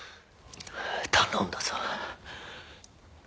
頼んだぞ